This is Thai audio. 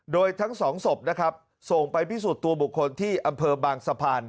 โดยทั้งสองศพนะครับส่งไปพิสูจน์ตัวบุคคลที่อำเภอบางสะพาน